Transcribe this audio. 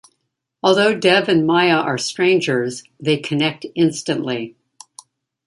Although Dev and Maya are strangers, they connect instantly.